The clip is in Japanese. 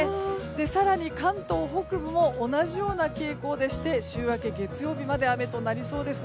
更に関東北部も同じような傾向で週明け月曜日まで雨となりそうです。